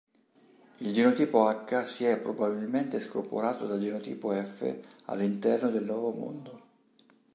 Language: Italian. Il genotipo H si è probabilmente scorporato dal genotipo F all'interno del Nuovo Mondo.